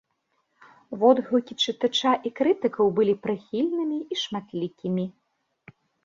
Водгукі чытача і крытыкаў былі прыхільнымі і шматлікімі.